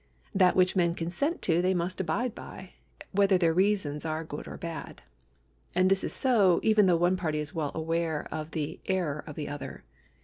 That which men consent to they must abide by, whether their reasons are good or })ad. And this is so even though one party is well aware of the error of the other.